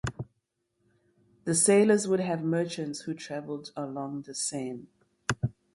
These sailors would have been merchants who travelled along the Seine.